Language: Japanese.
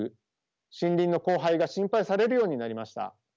森林の荒廃が心配されるようになりました。